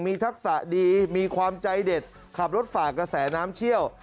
มีทักษะดีมีความใจเด็ดขับรถฝ่ากระแสน้ำเชี่ยว